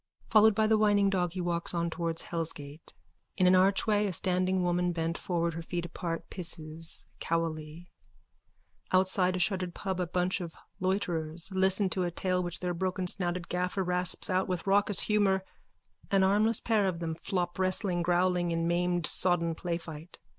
Followed by the whining dog he walks on towards hellsgates. In an archway a standing woman, bent forward, her feet apart, pisses cowily. Outside a shuttered pub a bunch of loiterers listen to a tale which their brokensnouted gaffer rasps out with raucous humour. An armless pair of them flop wrestling, growling, in maimed sodden playfight.)